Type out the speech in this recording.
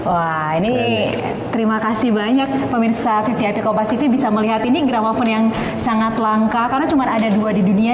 wah ini terima kasih banyak pemirsa vvip compactv bisa melihat ini gramafon yang sangat langka karena cuma ada dua di dunia